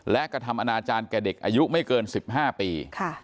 และกระทำอนาจารย์แก่เด็กอายุไม่เกิน๑๕ปี